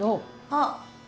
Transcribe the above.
あっ。